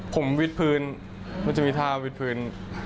ผมวิดพื้นมันจะมีท่าวิดพื้น